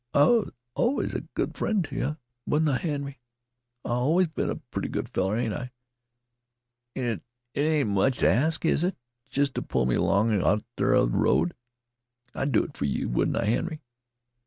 "I was allus a good friend t' yeh, wa'n't I, Henry? I 've allus been a pretty good feller, ain't I? An' it ain't much t' ask, is it? Jest t' pull me along outer th' road? I 'd do it fer you, Wouldn't I, Henry?"